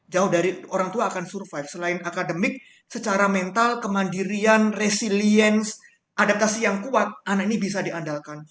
jauh dari orang tua akan survive selain akademik secara mental kemandirian resilience adaptasi yang kuat anak ini bisa diandalkan